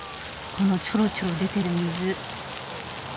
このチョロチョロ出てる水。